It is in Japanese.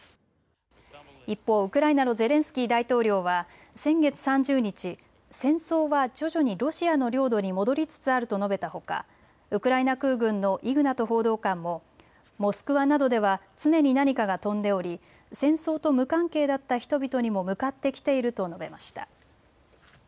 一方、ウクライナのゼレンスキー大統領は先月３０日、戦争は徐々にロシアの領土に戻りつつあると述べたほかウクライナ空軍のイグナト報道官もモスクワなどでは常に何かが飛んでおり戦争と無関係だった人々にも向かってきていると述べました。